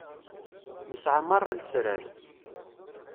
Nesεa merra lesrar.